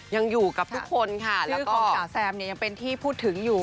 ยังอยู่กับทุกคนค่ะแล้วของจ๋าแซมเนี่ยยังเป็นที่พูดถึงอยู่